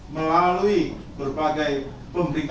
melalui berbagai perintah